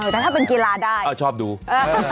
แต่ถ้าเป็นกีฬาได้ชอบดู